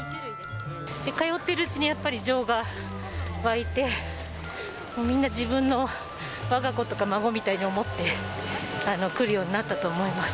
通ってるうちに、やっぱり情が湧いて、みんな自分のわが子とか孫みたいに思って、来るようになったと思います。